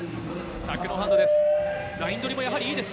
タックノーハンドです。